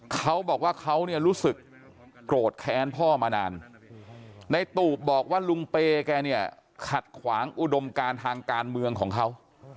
เขาบอกว่าเขาเนี่ยรู้สึกโกรธแค้นพ่อมานานในตูบบอกว่าลุงเปย์แกเนี่ยขัดขวางอุดมการทางการเมืองของเขา